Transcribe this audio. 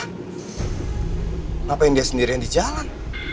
kenapa dia sendiri yang di jalan